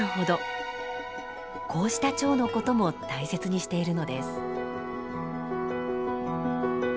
こうしたチョウのことも大切にしているのです。